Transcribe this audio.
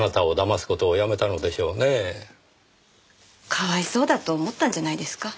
かわいそうだと思ったんじゃないですか？